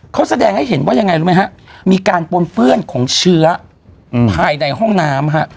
เขาแสดงให้เห็นว่ายังไงรู้ไหมฮะมีการปนเปื้อนของเชื้อภายในห้องน้ำฮะ